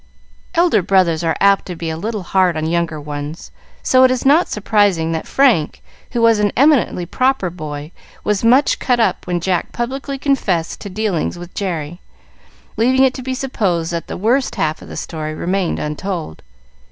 Elder brothers are apt to be a little hard on younger ones, so it is not surprising that Frank, who was an eminently proper boy, was much cut up when Jack publicly confessed to dealings with Jerry, leaving it to be supposed that the worst half of the story remained untold.